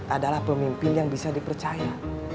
adalah pemimpin yang bisa dipercaya